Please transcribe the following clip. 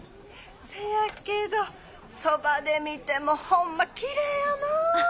せやけどそばで見てもホンマきれいやな。